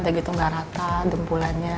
dan gitu nggak rata dumpulannya